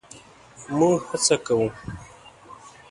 مونږ هڅه کوو